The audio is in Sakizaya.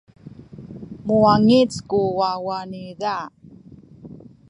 muwangic ku wawa niza.